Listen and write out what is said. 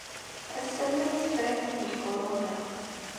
Ass-a, llant tefranin deg Pulunya.